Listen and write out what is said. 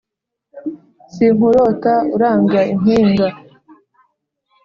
Sinkurota uranga impinga,